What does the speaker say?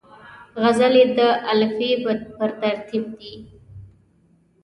غزلې د الفبې پر ترتیب دي.